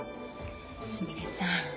すみれさん